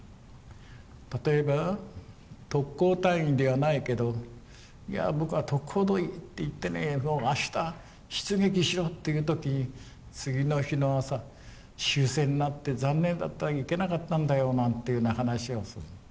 例えば特攻隊員ではないけどいや僕は特攻行ってねもうあした出撃しろっていう時に次の日の朝終戦になって残念だった行けなかったんだよなんていうような話をする。